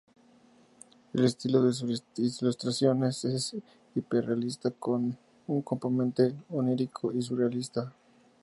El estilo de sus ilustraciones es hiperrealista, con un componente onírico y surrealista.